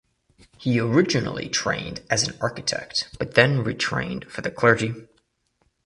He originally trained as an architect but then retrained for the clergy.